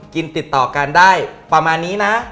ติดต่อกันได้ประมาณนี้นะ